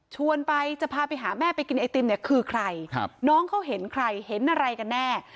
ชวนไปจะพาไปหาแม่ไปกินไอติมเนี่ยคือใครครับน้องเขาเห็นใครเห็นอะไรกันแน่